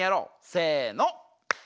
せの！